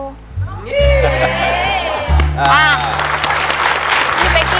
ลาเฮ็ดให้ย่าสบายแล้วเด้อ